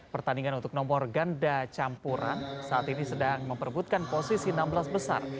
pertandingan untuk nomor ganda campuran saat ini sedang memperbutkan posisi enam belas besar